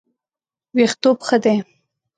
ویښتوب ښه دی.